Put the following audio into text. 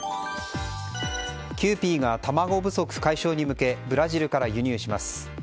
キユーピーが卵不足解消に向けブラジルから輸入します。